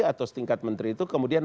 atau setingkat menteri itu kemudian